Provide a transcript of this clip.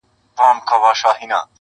o مطرب رباب د سُر او تال خوږې نغمې لټوم,